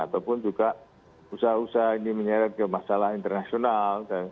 ataupun juga usaha usaha ini menyeret ke masalah internasional